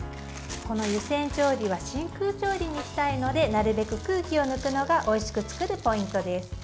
この湯煎調理は真空調理にしたいのでなるべく空気を抜くのがおいしく作るポイントです。